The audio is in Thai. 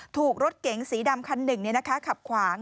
ถูกรถเก๋งสีดำคันหนึ่งเนี่ยนะคะขับขวาง